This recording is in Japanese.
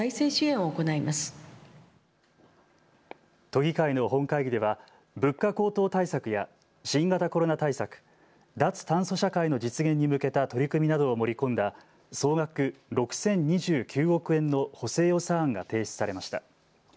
都議会の本会議では物価高騰対策や新型コロナ対策、脱炭素社会の実現に向けた取り組みなどを盛り込んだ総額６０２９億円の補正予算案が提出されました。